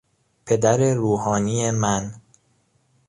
پدر روحانی من